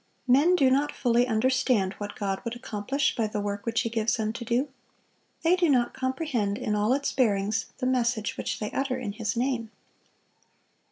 Men do not fully understand what God would accomplish by the work which He gives them to do; they do not comprehend, in all its bearings, the message which they utter in His name.